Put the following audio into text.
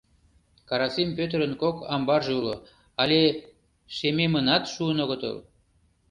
— Карасим Пӧтырын кок амбарже уло, але шемемынат шуын огытыл.